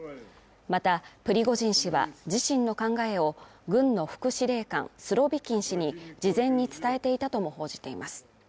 また、プリゴジン氏は、自身の考えを軍の副司令官スロビキン氏に事前に伝えていたとも報じています。